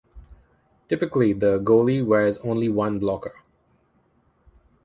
Typically, the goalie wears only one blocker.